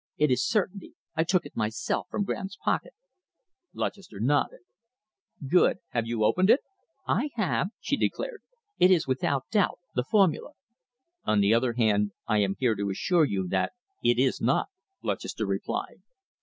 "It is certainty. I took it myself from Graham's pocket." Lutchester nodded. "Good! Have you opened it?" "I have," she declared. "It is without doubt, the formula." "On the other hand, I am here to assure you that it is not," Lutchester replied.